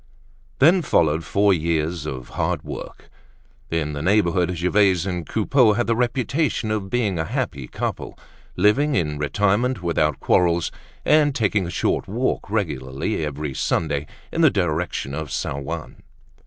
Then followed four years of hard work. In the neighborhood, Gervaise and Coupeau had the reputation of being a happy couple, living in retirement without quarrels, and taking a short walk regularly every Sunday in the direction of St. Ouen.